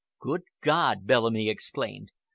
"Good God!" Bellamy exclaimed.